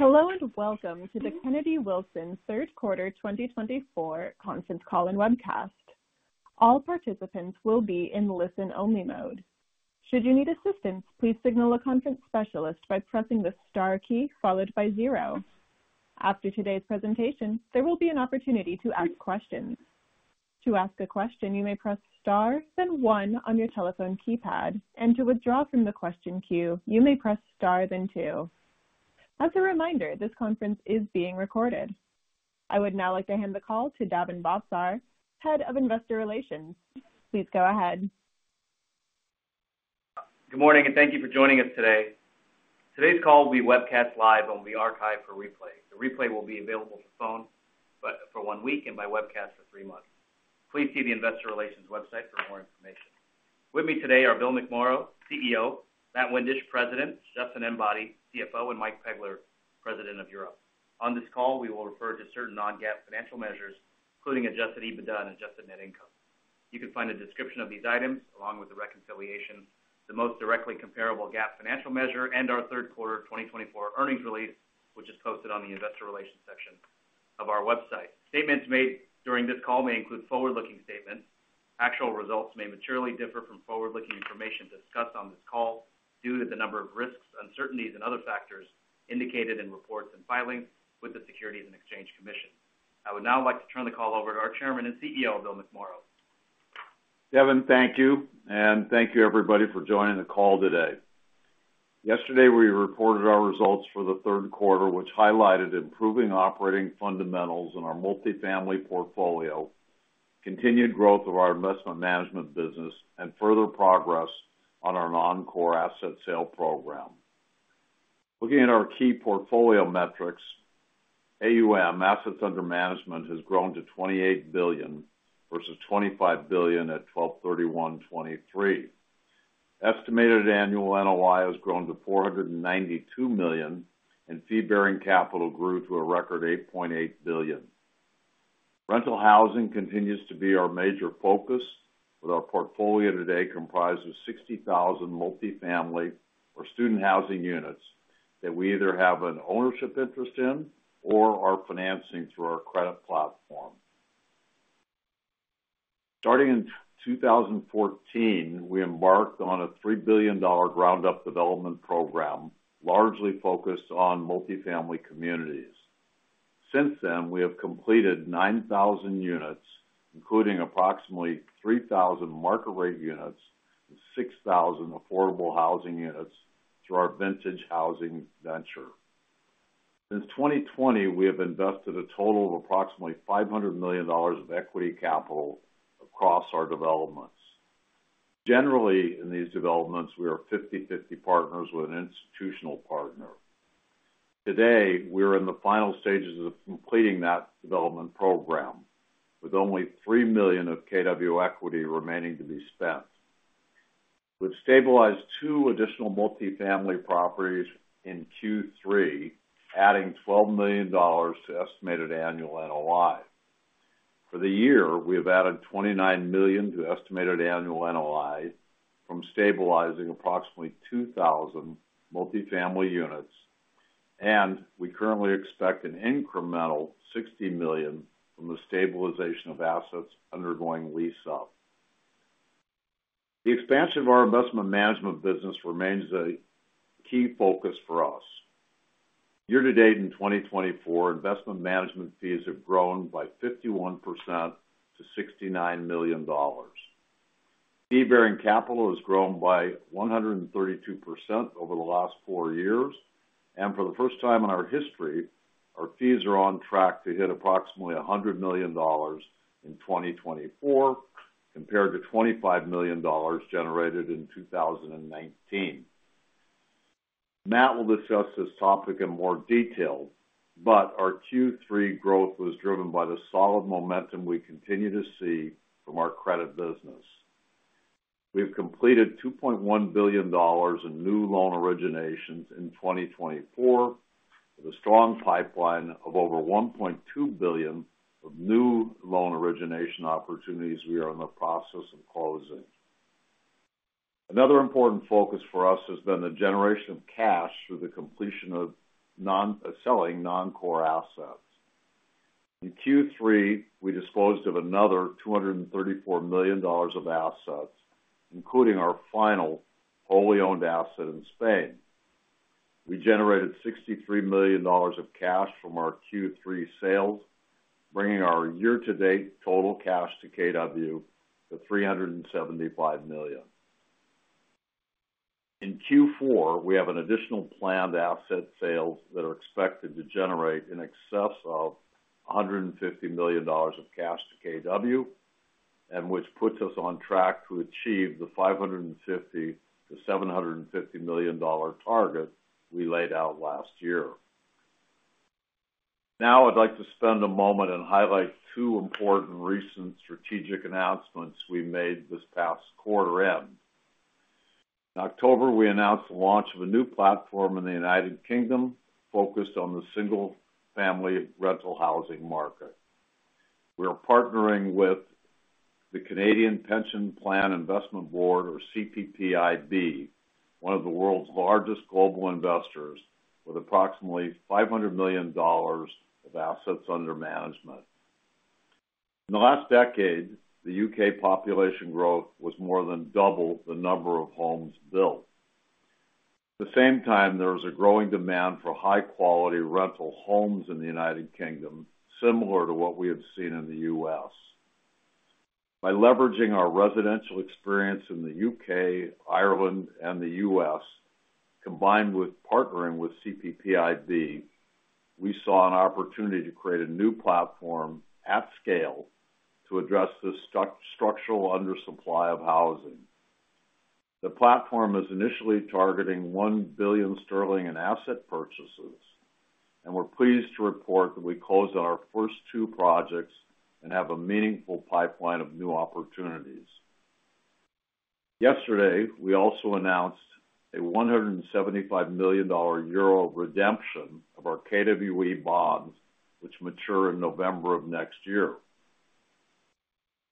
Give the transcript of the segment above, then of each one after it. Hello and welcome to the Kennedy Wilson Third Quarter 2024 Conference Call and Webcast. All participants will be in listen-only mode. Should you need assistance, please signal a conference specialist by pressing the star key followed by zero. After today's presentation, there will be an opportunity to ask questions. To ask a question, you may press star, then one on your telephone keypad, and to withdraw from the question queue, you may press star, then two. As a reminder, this conference is being recorded. I would now like to hand the call to Daven Bhavsar, Head of Investor Relations. Please go ahead. Good morning and thank you for joining us today. Today's call will be webcast live and will be archived for replay. The replay will be available for phone for one week and by webcast for three months. Please see the Investor Relations website for more information. With me today are Bill McMorrow, CEO; Matt Windisch, President; Justin Enbody, CFO; and Mike Pegler, President of Europe. On this call, we will refer to certain non-GAAP financial measures, including Adjusted EBITDA and adjusted net income. You can find a description of these items along with the reconciliation, the most directly comparable GAAP financial measure, and our Third Quarter 2024 earnings release, which is posted on the Investor Relations section of our website. Statements made during this call may include forward-looking statements. Actual results may materially differ from forward-looking information discussed on this call due to the number of risks, uncertainties, and other factors indicated in reports and filings with the Securities and Exchange Commission. I would now like to turn the call over to our Chairman and CEO, Bill McMorrow. Daven, thank you, and thank you everybody for joining the call today. Yesterday, we reported our results for the third quarter, which highlighted improving operating fundamentals in our multifamily portfolio, continued growth of our investment management business, and further progress on our non-core asset sale program. Looking at our key portfolio metrics, AUM, assets under management, has grown to $28 billion versus $25 billion at 12/31/2023. Estimated annual NOI has grown to $492 million, and fee-bearing capital grew to a record $8.8 billion. Rental housing continues to be our major focus, with our portfolio today comprised of 60,000 multifamily or student housing units that we either have an ownership interest in or are financing through our credit platform. Starting in 2014, we embarked on a $3 billion ground-up development program largely focused on multifamily communities. Since then, we have completed 9,000 units, including approximately 3,000 market-rate units and 6,000 affordable housing units through our Vintage Housing venture. Since 2020, we have invested a total of approximately $500 million of equity capital across our developments. Generally, in these developments, we are 50/50 partners with an institutional partner. Today, we are in the final stages of completing that development program, with only $3 million of KW equity remaining to be spent. We've stabilized two additional multifamily properties in Q3, adding $12 million to estimated annual NOI. For the year, we have added $29 million to estimated annual NOI from stabilizing approximately 2,000 multifamily units, and we currently expect an incremental $60 million from the stabilization of assets undergoing lease-up. The expansion of our investment management business remains a key focus for us. Year-to-date in 2024, investment management fees have grown by 51% to $69 million. Fee-bearing capital has grown by 132% over the last four years, and for the first time in our history, our fees are on track to hit approximately $100 million in 2024, compared to $25 million generated in 2019. Matt will discuss this topic in more detail, but our Q3 growth was driven by the solid momentum we continue to see from our credit business. We have completed $2.1 billion in new loan originations in 2024, with a strong pipeline of over $1.2 billion of new loan origination opportunities we are in the process of closing. Another important focus for us has been the generation of cash through the completion of selling non-core assets. In Q3, we disposed another $234 million of assets, including our final wholly owned asset in Spain. We generated $63 million of cash from our Q3 sales, bringing our year-to-date total cash to KW to $375 million. In Q4, we have an additional planned asset sales that are expected to generate in excess of $150 million of cash to KW, which puts us on track to achieve the $550 million-$750 million target we laid out last year. Now, I'd like to spend a moment and highlight two important recent strategic announcements we made this past quarter end. In October, we announced the launch of a new platform in the United Kingdom focused on the single-family rental housing market. We are partnering with the Canada Pension Plan Investment Board, or CPPIB, one of the world's largest global investors, with approximately $500 million of assets under management. In the last decade, the U.K. population growth was more than double the number of homes built. At the same time, there was a growing demand for high-quality rental homes in the United Kingdom, similar to what we have seen in the U.S. By leveraging our residential experience in the U.K., Ireland, and the U.S., combined with partnering with CPPIB, we saw an opportunity to create a new platform at scale to address the structural undersupply of housing. The platform is initially targeting 1 billion sterling in asset purchases, and we're pleased to report that we closed on our first two projects and have a meaningful pipeline of new opportunities. Yesterday, we also announced a 175 million euro redemption of our KWE bonds, which mature in November of next year.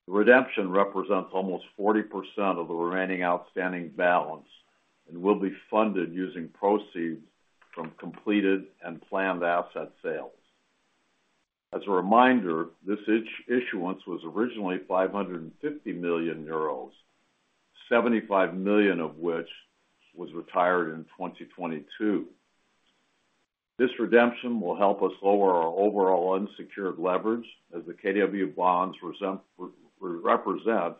The redemption represents almost 40% of the remaining outstanding balance and will be funded using proceeds from completed and planned asset sales. As a reminder, this issuance was originally 550 million euros, 75 million of which was retired in 2022. This redemption will help us lower our overall unsecured leverage, as the KWE bonds represent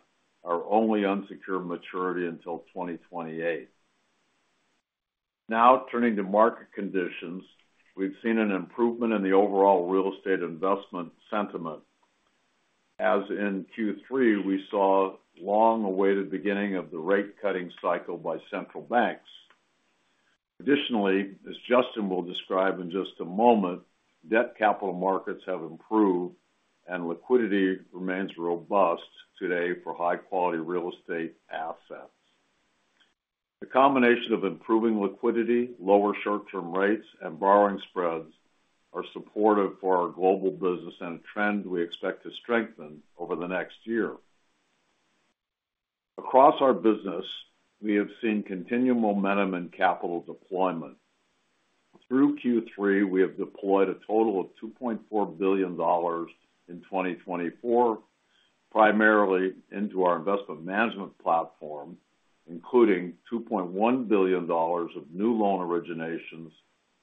our only unsecured maturity until 2028. Now, turning to market conditions, we've seen an improvement in the overall real estate investment sentiment. As in Q3, we saw the long-awaited beginning of the rate-cutting cycle by central banks. Additionally, as Justin will describe in just a moment, debt capital markets have improved, and liquidity remains robust today for high-quality real estate assets. The combination of improving liquidity, lower short-term rates, and borrowing spreads is supportive for our global business and a trend we expect to strengthen over the next year. Across our business, we have seen continued momentum in capital deployment. Through Q3, we have deployed a total of $2.4 billion in 2024, primarily into our investment management platform, including $2.1 billion of new loan originations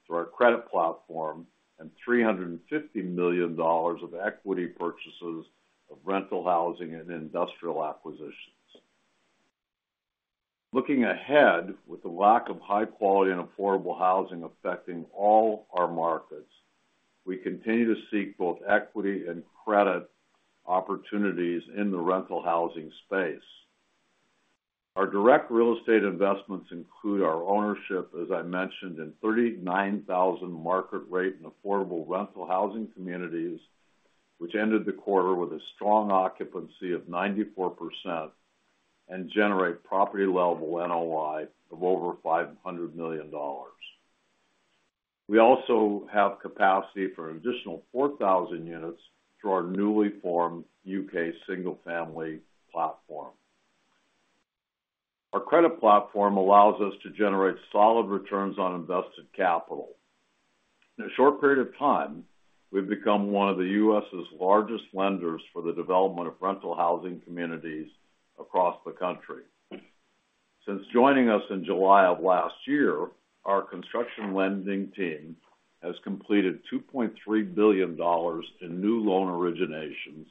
through our credit platform and $350 million of equity purchases of rental housing and industrial acquisitions. Looking ahead, with the lack of high-quality and affordable housing affecting all our markets, we continue to seek both equity and credit opportunities in the rental housing space. Our direct real estate investments include our ownership, as I mentioned, in 39,000 market-rate and affordable rental housing communities, which ended the quarter with a strong occupancy of 94% and generate property-level NOI of over $500 million. We also have capacity for an additional 4,000 units through our newly formed U.K. single-family platform. Our credit platform allows us to generate solid returns on invested capital. In a short period of time, we've become one of the U.S.'s largest lenders for the development of rental housing communities across the country. Since joining us in July of last year, our construction lending team has completed $2.3 billion in new loan originations,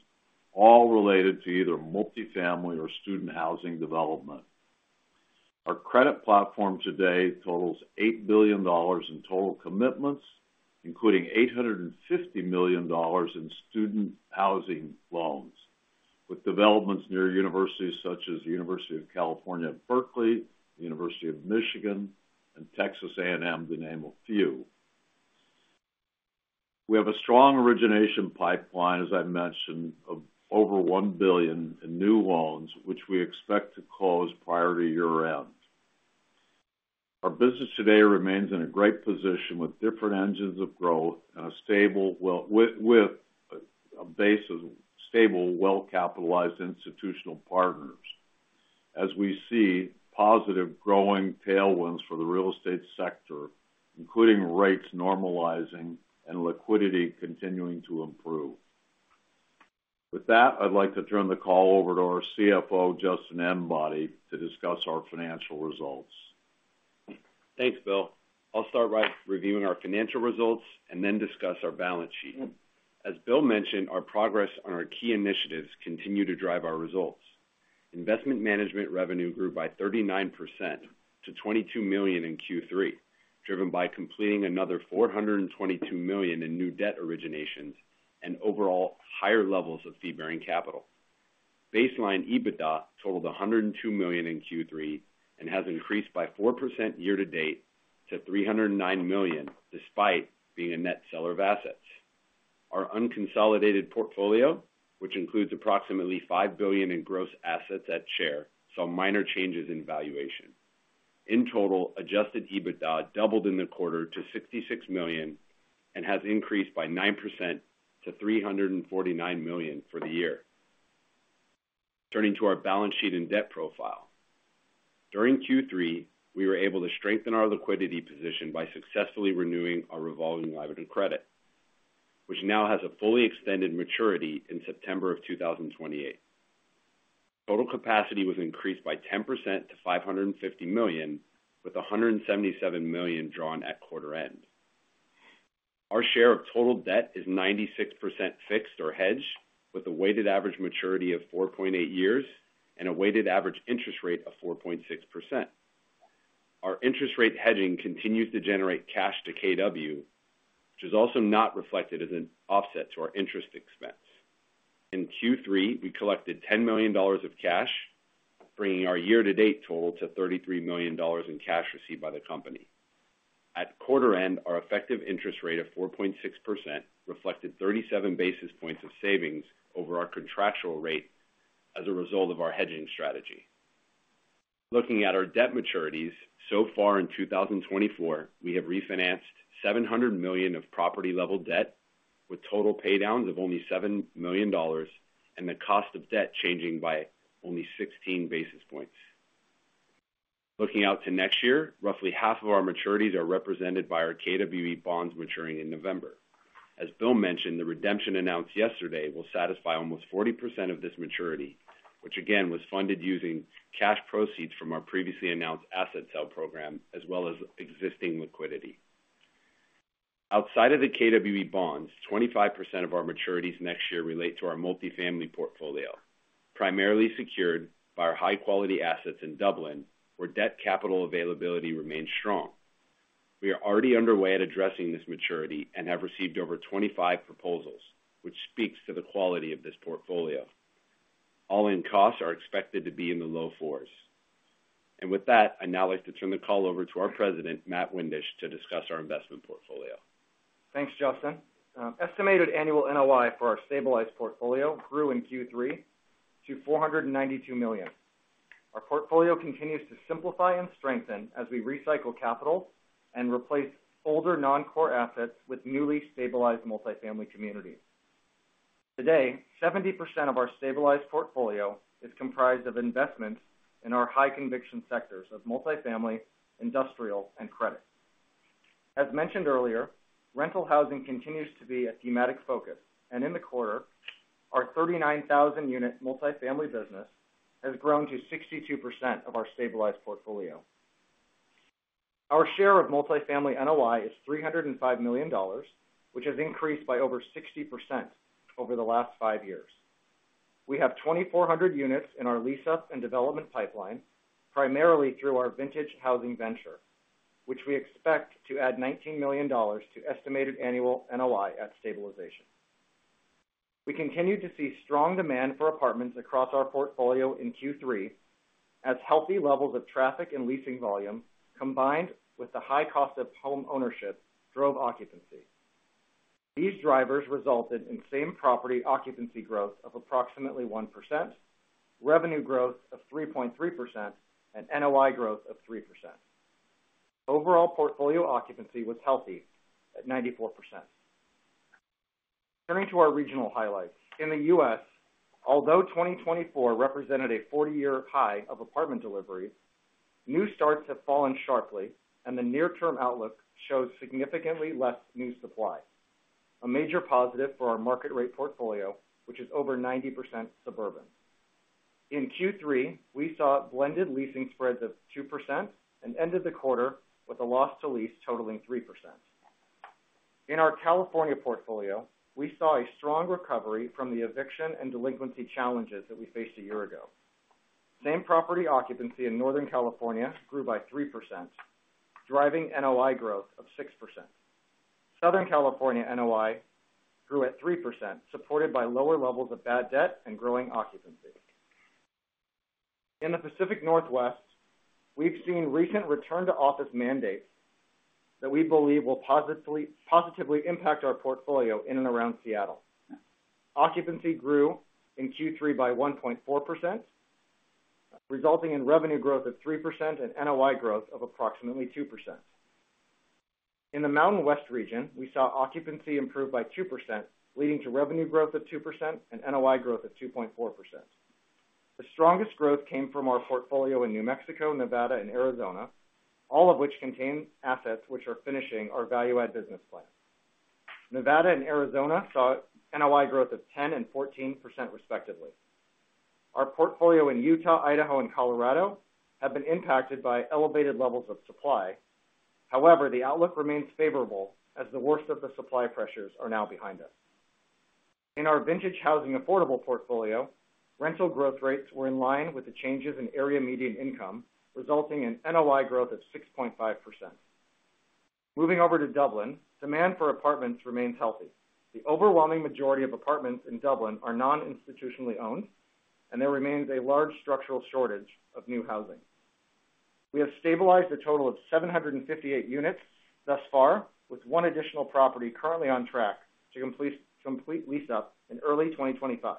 all related to either multifamily or student housing development. Our credit platform today totals $8 billion in total commitments, including $850 million in student housing loans, with developments near universities such as the University of California, Berkeley, the University of Michigan, and Texas A&M, to name a few. We have a strong origination pipeline, as I mentioned, of over $1 billion in new loans, which we expect to close prior to year-end. Our business today remains in a great position with different engines of growth and a stable base of stable, well-capitalized institutional partners, as we see positive growing tailwinds for the real estate sector, including rates normalizing and liquidity continuing to improve. With that, I'd like to turn the call over to our CFO, Justin Enbody, to discuss our financial results. Thanks, Bill. I'll start by reviewing our financial results and then discuss our balance sheet. As Bill mentioned, our progress on our key initiatives continues to drive our results. Investment management revenue grew by 39% to $22 million in Q3, driven by completing another $422 million in new debt originations and overall higher levels of fee-bearing capital. Baseline EBITDA totaled $102 million in Q3 and has increased by 4% year-to-date to $309 million, despite being a net seller of assets. Our unconsolidated portfolio, which includes approximately $5 billion in gross assets at share, saw minor changes in valuation. In total, Adjusted EBITDA doubled in the quarter to $66 million and has increased by 9% to $349 million for the year. Turning to our balance sheet and debt profile, during Q3, we were able to strengthen our liquidity position by successfully renewing our revolving line of credit, which now has a fully extended maturity in September of 2028. Total capacity was increased by 10% to $550 million, with $177 million drawn at quarter end. Our share of total debt is 96% fixed or hedged, with a weighted average maturity of 4.8 years and a weighted average interest rate of 4.6%. Our interest rate hedging continues to generate cash to KW, which is also not reflected as an offset to our interest expense. In Q3, we collected $10 million of cash, bringing our year-to-date total to $33 million in cash received by the company. At quarter end, our effective interest rate of 4.6% reflected 37 basis points of savings over our contractual rate as a result of our hedging strategy. Looking at our debt maturities, so far in 2024, we have refinanced $700 million of property-level debt, with total paydowns of only $7 million, and the cost of debt changing by only 16 basis points. Looking out to next year, roughly half of our maturities are represented by our KWE bonds maturing in November. As Bill mentioned, the redemption announced yesterday will satisfy almost 40% of this maturity, which again was funded using cash proceeds from our previously announced asset sale program, as well as existing liquidity. Outside of the KWE bonds, 25% of our maturities next year relate to our multifamily portfolio, primarily secured by our high-quality assets in Dublin, where debt capital availability remains strong. We are already underway at addressing this maturity and have received over 25 proposals, which speaks to the quality of this portfolio. All in costs are expected to be in the low fours. With that, I'd now like to turn the call over to our president, Matt Windisch, to discuss our investment portfolio. Thanks, Justin. Estimated annual NOI for our stabilized portfolio grew in Q3 to $492 million. Our portfolio continues to simplify and strengthen as we recycle capital and replace older non-core assets with newly stabilized multifamily communities. Today, 70% of our stabilized portfolio is comprised of investments in our high-conviction sectors of multifamily, industrial, and credit. As mentioned earlier, rental housing continues to be a thematic focus, and in the quarter, our 39,000-unit multifamily business has grown to 62% of our stabilized portfolio. Our share of multifamily NOI is $305 million, which has increased by over 60% over the last five years. We have 2,400 units in our lease-up and development pipeline, primarily through our Vintage Housing venture, which we expect to add $19 million to estimated annual NOI at stabilization. We continue to see strong demand for apartments across our portfolio in Q3, as healthy levels of traffic and leasing volume, combined with the high cost of home ownership, drove occupancy. These drivers resulted in same property occupancy growth of approximately 1%, revenue growth of 3.3%, and NOI growth of 3%. Overall portfolio occupancy was healthy at 94%. Turning to our regional highlights. In the U.S., although 2024 represented a 40-year high of apartment delivery, new starts have fallen sharply, and the near-term outlook shows significantly less new supply, a major positive for our market-rate portfolio, which is over 90% suburban. In Q3, we saw blended leasing spreads of 2% and ended the quarter with a loss to lease totaling 3%. In our California portfolio, we saw a strong recovery from the eviction and delinquency challenges that we faced a year ago. Same property occupancy in Northern California grew by 3%, driving NOI growth of 6%. Southern California NOI grew at 3%, supported by lower levels of bad debt and growing occupancy. In the Pacific Northwest, we've seen recent return-to-office mandates that we believe will positively impact our portfolio in and around Seattle. Occupancy grew in Q3 by 1.4%, resulting in revenue growth of 3% and NOI growth of approximately 2%. In the Mountain West region, we saw occupancy improve by 2%, leading to revenue growth of 2% and NOI growth of 2.4%. The strongest growth came from our portfolio in New Mexico, Nevada, and Arizona, all of which contain assets which are finishing our value-add business plan. Nevada and Arizona saw NOI growth of 10% and 14%, respectively. Our portfolio in Utah, Idaho, and Colorado have been impacted by elevated levels of supply. However, the outlook remains favorable as the worst of the supply pressures are now behind us. In our Vintage Housing affordable portfolio, rental growth rates were in line with the changes in area median income, resulting in NOI growth of 6.5%. Moving over to Dublin, demand for apartments remains healthy. The overwhelming majority of apartments in Dublin are non-institutionally owned, and there remains a large structural shortage of new housing. We have stabilized a total of 758 units thus far, with one additional property currently on track to complete lease-up in early 2025.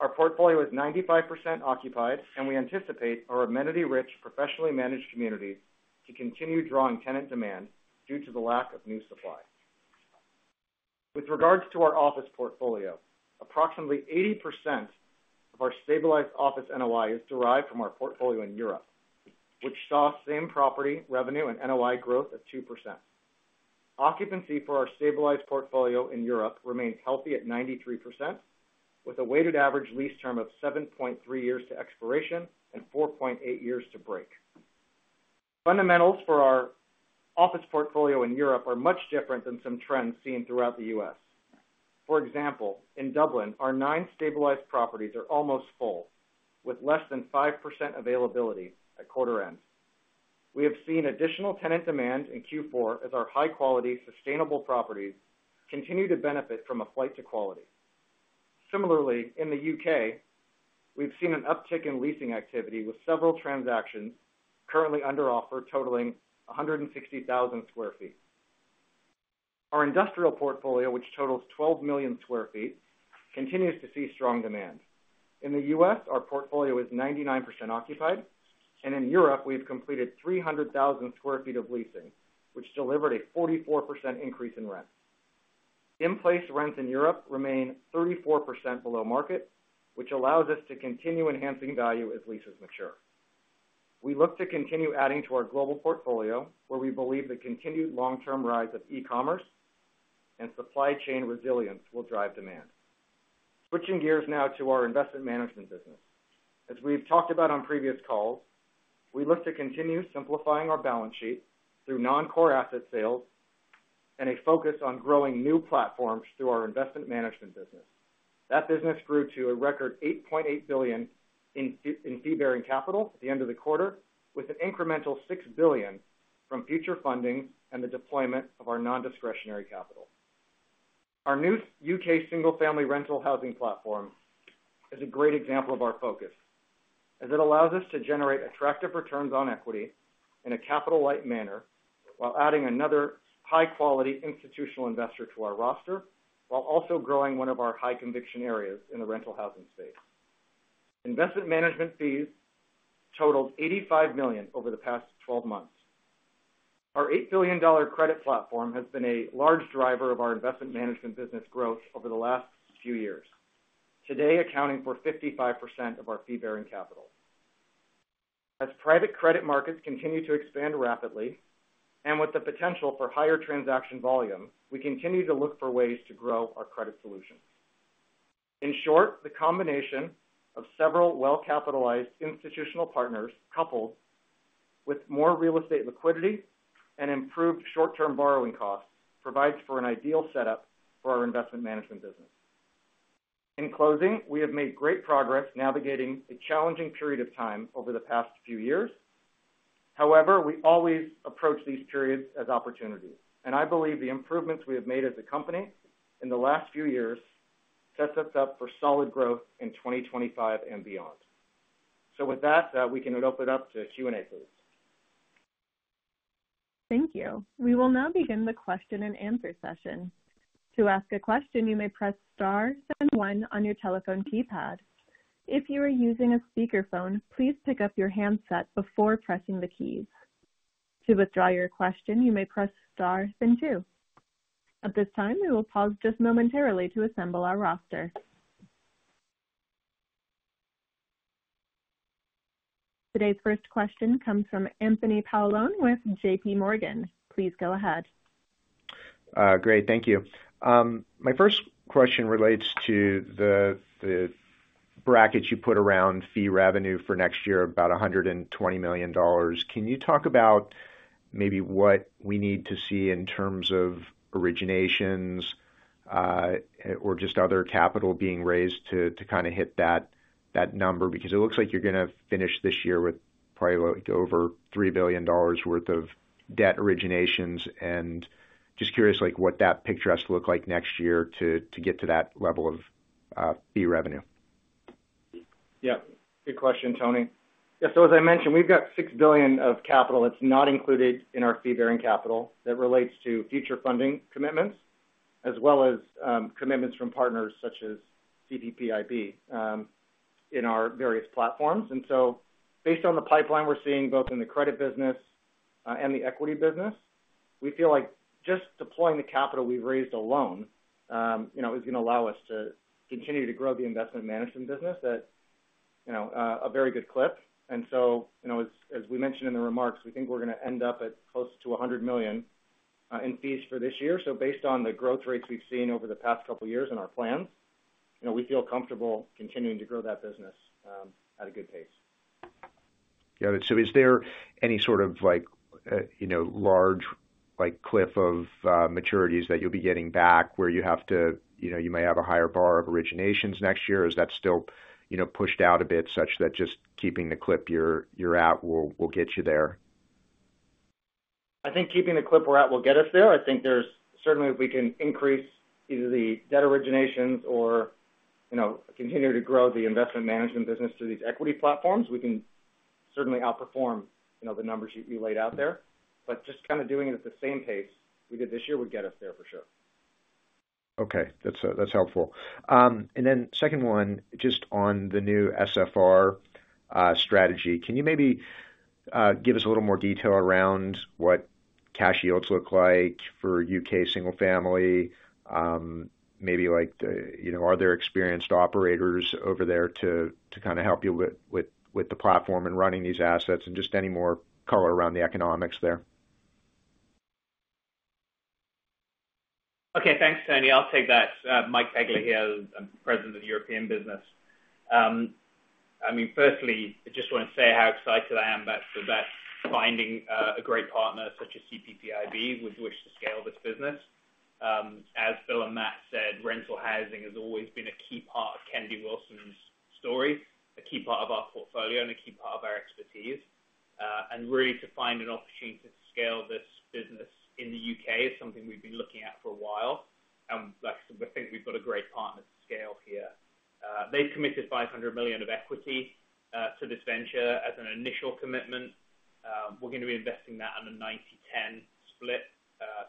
Our portfolio is 95% occupied, and we anticipate our amenity-rich, professionally managed communities to continue drawing tenant demand due to the lack of new supply. With regards to our office portfolio, approximately 80% of our stabilized office NOI is derived from our portfolio in Europe, which saw same property revenue and NOI growth of 2%. Occupancy for our stabilized portfolio in Europe remains healthy at 93%, with a weighted average lease term of 7.3 years to expiration and 4.8 years to break. Fundamentals for our office portfolio in Europe are much different than some trends seen throughout the U.S. For example, in Dublin, our nine stabilized properties are almost full, with less than 5% availability at quarter end. We have seen additional tenant demand in Q4 as our high-quality, sustainable properties continue to benefit from a flight to quality. Similarly, in the U.K., we've seen an uptick in leasing activity, with several transactions currently under offer, totaling 160,000 sq ft. Our industrial portfolio, which totals 12 million sq ft, continues to see strong demand. In the U.S., our portfolio is 99% occupied, and in Europe, we've completed 300,000 sq ft of leasing, which delivered a 44% increase in rent. In-place rents in Europe remain 34% below market, which allows us to continue enhancing value as leases mature. We look to continue adding to our global portfolio, where we believe the continued long-term rise of e-commerce and supply chain resilience will drive demand. Switching gears now to our investment management business. As we've talked about on previous calls, we look to continue simplifying our balance sheet through non-core asset sales and a focus on growing new platforms through our investment management business. That business grew to a record $8.8 billion in fee-bearing capital at the end of the quarter, with an incremental $6 billion from future funding and the deployment of our non-discretionary capital. Our new U.K. single-family rental housing platform is a great example of our focus, as it allows us to generate attractive returns on equity in a capital-light manner while adding another high-quality institutional investor to our roster, while also growing one of our high-conviction areas in the rental housing space. Investment management fees totaled $85 million over the past 12 months. Our $8 billion credit platform has been a large driver of our investment management business growth over the last few years, today accounting for 55% of our fee-bearing capital. As private credit markets continue to expand rapidly and with the potential for higher transaction volume, we continue to look for ways to grow our credit solutions. In short, the combination of several well-capitalized institutional partners coupled with more real estate liquidity and improved short-term borrowing costs provides for an ideal setup for our investment management business. In closing, we have made great progress navigating a challenging period of time over the past few years. However, we always approach these periods as opportunities, and I believe the improvements we have made as a company in the last few years set us up for solid growth in 2025 and beyond. So with that, we can open it up to Q&A, please. Thank you. We will now begin the question and answer session. To ask a question, you may press star then one on your telephone keypad. If you are using a speakerphone, please pick up your handset before pressing the keys. To withdraw your question, you may press star then two. At this time, we will pause just momentarily to assemble our roster. Today's first question comes from Anthony Paolone with JPMorgan. Please go ahead. Great. Thank you. My first question relates to the bracket you put around fee revenue for next year, about $120 million. Can you talk about maybe what we need to see in terms of originations or just other capital being raised to kind of hit that number? Because it looks like you're going to finish this year with probably over $3 billion worth of debt originations. And just curious what that picture has to look like next year to get to that level of fee revenue. Yeah. Good question, Tony. Yeah. So as I mentioned, we've got $6 billion of capital that's not included in our fee-bearing capital that relates to future funding commitments, as well as commitments from partners such as CPPIB in our various platforms. And so based on the pipeline we're seeing both in the credit business and the equity business, we feel like just deploying the capital we've raised alone is going to allow us to continue to grow the investment management business at a very good clip. And so as we mentioned in the remarks, we think we're going to end up at close to $100 million in fees for this year. So based on the growth rates we've seen over the past couple of years in our plans, we feel comfortable continuing to grow that business at a good pace. Got it. So is there any sort of large cliff of maturities that you'll be getting back where you may have a higher bar of originations next year? Is that still pushed out a bit such that just keeping the clip you're at will get you there? I think keeping the clip we're at will get us there. I think there's certainly if we can increase either the debt originations or continue to grow the investment management business through these equity platforms, we can certainly outperform the numbers you laid out there. But just kind of doing it at the same pace we did this year would get us there for sure. Okay. That's helpful. And then second one, just on the new SFR strategy, can you maybe give us a little more detail around what cash yields look like for U.K. single-family? Maybe are there experienced operators over there to kind of help you with the platform and running these assets and just any more color around the economics there? Okay. Thanks, Tony. I'll take that. Mike Pegler here, President of Europe. I mean, firstly, I just want to say how excited I am about finding a great partner such as CPPIB, which wish to scale this business. As Bill and Matt said, rental housing has always been a key part of Kennedy Wilson's story, a key part of our portfolio, and a key part of our expertise, and really to find an opportunity to scale this business in the UK is something we've been looking at for a while, and like I said, we think we've got a great partner to scale here. They've committed $500 million of equity to this venture as an initial commitment. We're going to be investing that in a 90/10 split,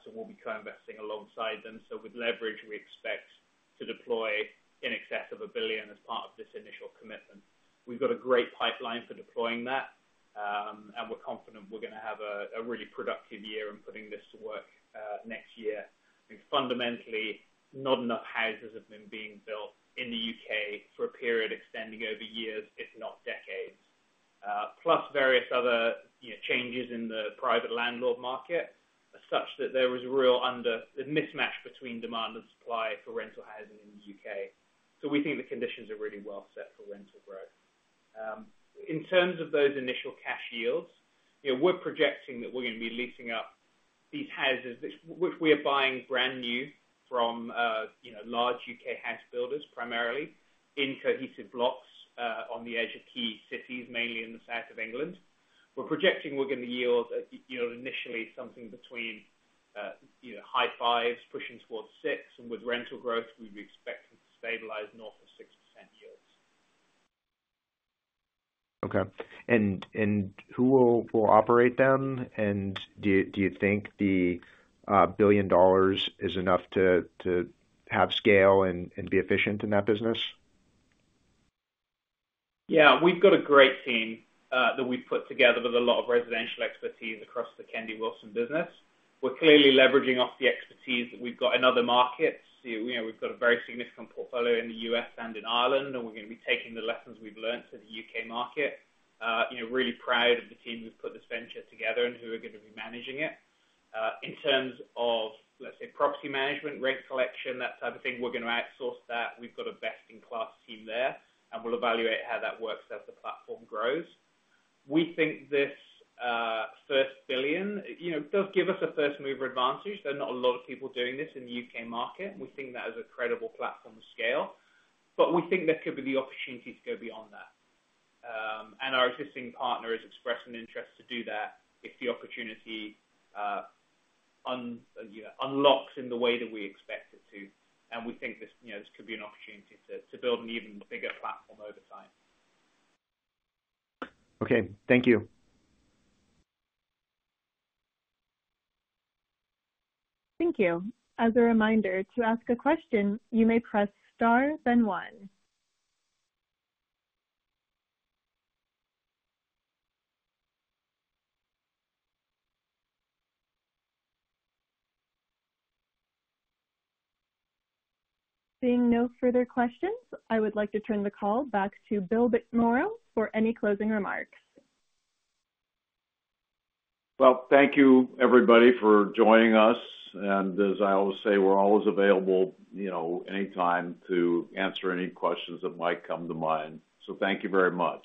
so we'll be co-investing alongside them. So with leverage, we expect to deploy in excess of $1 billion as part of this initial commitment. We've got a great pipeline for deploying that, and we're confident we're going to have a really productive year in putting this to work next year. I mean, fundamentally, not enough houses have been being built in the U.K. for a period extending over years, if not decades, plus various other changes in the private landlord market such that there was real mismatch between demand and supply for rental housing in the U.K. So we think the conditions are really well set for rental growth. In terms of those initial cash yields, we're projecting that we're going to be leasing up these houses, which we are buying brand new from large U.K. house builders primarily in cohesive blocks on the edge of key cities, mainly in the south of England. We're projecting we're going to yield initially something between high fives, pushing towards six, and with rental growth, we'd be expecting to stabilize north of 6% yields. Okay. And who will operate them? And do you think the $1 billion is enough to have scale and be efficient in that business? Yeah. We've got a great team that we've put together with a lot of residential expertise across the Kennedy Wilson business. We're clearly leveraging off the expertise that we've got in other markets. We've got a very significant portfolio in the U.S. and in Ireland, and we're going to be taking the lessons we've learned to the U.K. market. Really proud of the team who've put this venture together and who are going to be managing it. In terms of, let's say, property management, rent collection, that type of thing, we're going to outsource that. We've got a best-in-class team there, and we'll evaluate how that works as the platform grows. We think this first billion does give us a first-mover advantage. There are not a lot of people doing this in the U.K. market, and we think that is a credible platform of scale. But we think there could be the opportunity to go beyond that. And our existing partner has expressed an interest to do that if the opportunity unlocks in the way that we expect it to. And we think this could be an opportunity to build an even bigger platform over time. Okay. Thank you. Thank you. As a reminder, to ask a question, you may press star then one. Seeing no further questions, I would like to turn the call back to Bill McMorrow for any closing remarks. Thank you, everybody, for joining us. As I always say, we're always available anytime to answer any questions that might come to mind. Thank you very much.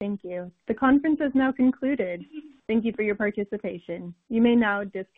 Thank you. The conference has now concluded. Thank you for your participation. You may now disconnect.